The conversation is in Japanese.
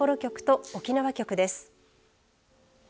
札幌局と沖縄局です。